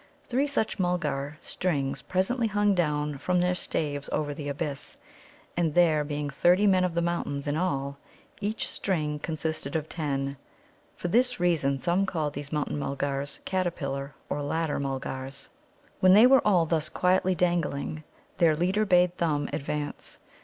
Three such Mulgar strings presently hung down from their staves over the abyss. And there being thirty Men of the Mountains in all, each string consisted of ten. [For this reason some call these Mountain mulgars Caterpillar or Ladder Mulgars.] When they were all thus quietly dangling, their leader bade Thumb advance.